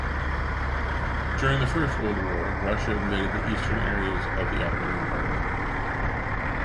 During the First World War Russia invaded the eastern areas of the Ottoman Empire.